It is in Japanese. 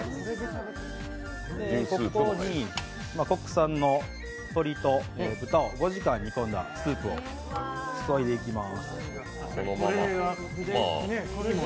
ここに国産の鶏と豚を５時間煮込んだスープを注いでいきます。